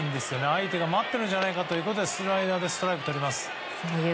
相手が待ってるんじゃないかということでスライダーでストライクをとります。